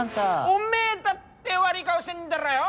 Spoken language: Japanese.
おめえだって悪い顔してんだろよ！